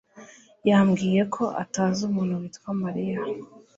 yambwiye ko atazi umuntu witwa Mariya.